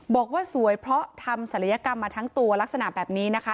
บอกว่าสวยเพราะทำศัลยกรรมมาทั้งตัวลักษณะแบบนี้นะคะ